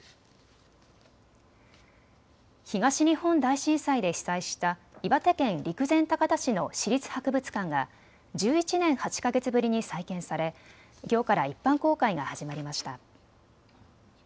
東日本大震災で被災した岩手県陸前高田市の市立博物館が１１年８か月ぶりに再建されきょうから一般公開が始まりました。